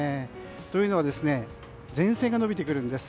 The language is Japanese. というのは前線が延びてくるんです。